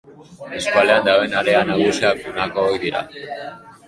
Eskualdean dauden area nagusiak honako hauek dira.